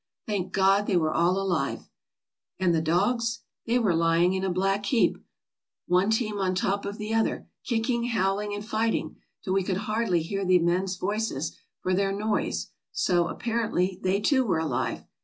Thank God, they were all alive! And the dogs? They were lying in a black heap, one team on top of the other, kicking, howling, and fighting, till we could hardly hear the men's voices for their noise, so, apparently, they too were alive.